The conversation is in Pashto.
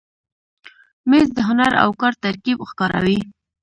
مېز د هنر او کار ترکیب ښکاروي.